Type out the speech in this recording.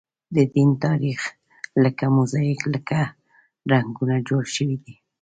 د دین تاریخ لکه موزاییک له رنګونو جوړ شوی دی.